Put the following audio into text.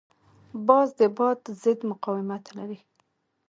باز د باد ضد مقاومت لري